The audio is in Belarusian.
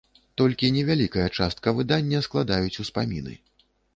Толькі невялікая частка выдання складаюць успаміны.